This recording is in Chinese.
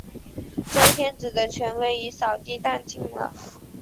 周天子的权威已扫地殆尽了。